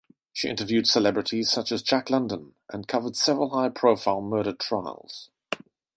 She interviewed celebrities, such as Jack London, and covered several high-profile murder trials.